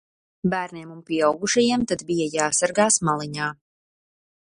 Bērniem un pieaugušajiem tad bija jāsargās maliņā.